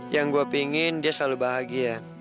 yang gue pingin dia selalu bahagia